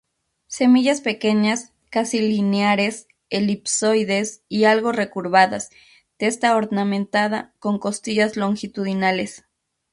Semillas pequeñas, casi lineares, elipsoides y algo recurvadas, testa ornamentada, con costillas longitudinales.